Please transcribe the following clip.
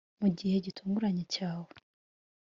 mugihe gitunguranye cyawe